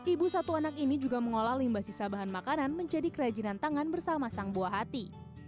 ibu satu anak ini juga mengolah limbah sisa bahan makanan menjadi kerajinan tangan bersama sang buah hati